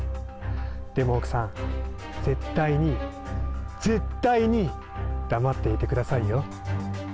でも奥さん、絶対に絶対に、黙っていてくださいよ。